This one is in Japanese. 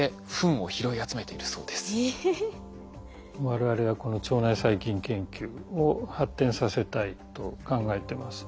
我々はこの腸内細菌研究を発展させたいと考えてます。